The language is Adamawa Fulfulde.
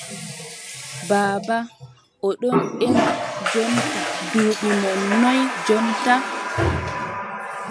Baaba, o ɗon ƴema jonta duuɓi mon noy jonta ?